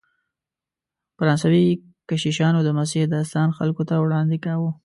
فرانسوي کشیشانو د مسیح داستان خلکو ته وړاندې کاوه.